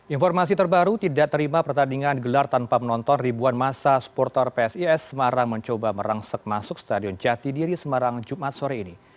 informasi terbaru tidak terima pertandingan gelar tanpa menonton ribuan masa supporter psis semarang mencoba merangsek masuk stadion jatidiri semarang jumat sore ini